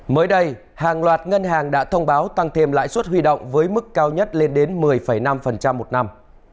mới đây hàng loạt ngân hàng đã thông báo tăng thêm lãi suất huy động với mức cao nhất lên đến một mươi năm một năm